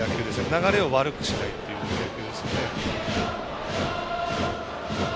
流れを悪くしないっていう野球ですよね。